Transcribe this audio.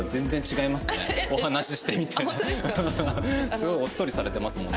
すごいおっとりされてますもんね。